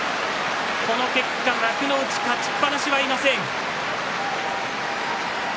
この結果、幕内勝ちっぱなしはいません。